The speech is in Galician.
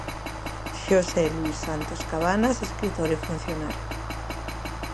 Xosé Luis Santos Cabanas, escritor e funcionario.